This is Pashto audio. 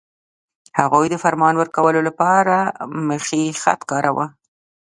هغوی د فرمان ورکولو لپاره میخي خط کاراوه.